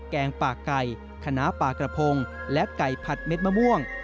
แกงปากไก่ขนาปลากระพงและไก่ผัดเม็ดมะม่วง